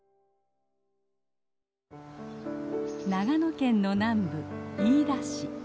長野県の南部飯田市。